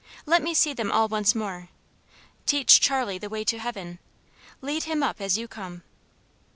Let me see them all once more. Teach Charlie the way to heaven; lead him up as you come."